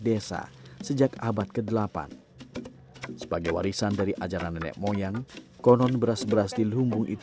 dan juga mengajarkan sikap